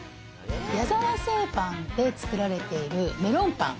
やざわ製パンで作られているメロンパン。